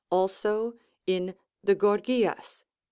also in the "Gorgias" (p.